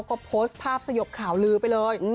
ก็โพสต์ภาพสยบข่าวลือไปเลย